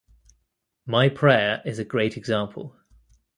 "My Prayer" is a great example.